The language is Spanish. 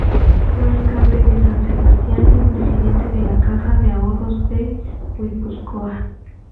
Fue alcalde de San Sebastián y presidente de la Caja de Ahorros de Guipúzcoa.